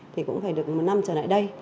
thì cũng phải được một năm trở lại đây